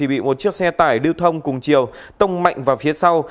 bị một chiếc xe tải lưu thông cùng chiều tông mạnh vào phía sau